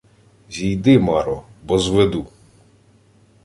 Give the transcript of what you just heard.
— Зійди, маро, бо зведу...